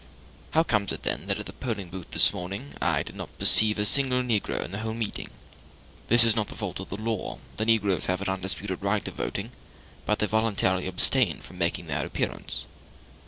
"How comes it, then, that at the polling booth this morning I did not perceive a single negro in the whole meeting?" "This is not the fault of the law: the negroes have an undisputed right of voting, but they voluntarily abstain from making their appearance."